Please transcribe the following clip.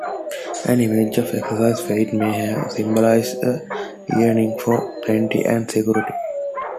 An image of excess weight may have symbolized a yearning for plenty and security.